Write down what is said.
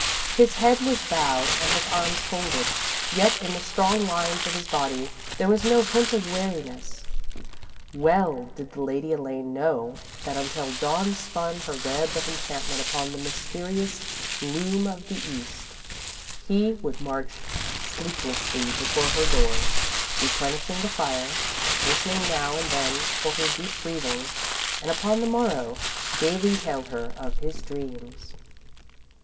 His head was bowed and his arms folded, yet in the strong lines of his body there was no hint of weariness. Well did the Lady Elaine know that until Dawn spun her web of enchantment upon the mysterious loom of the East, he would march sleeplessly before her door, replenishing the fire, listening now and then for her deep breathing, and, upon the morrow, gaily tell her of his dreams.